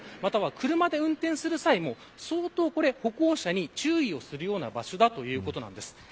車で運転する際も相当、歩行者に注意するような場所だということです。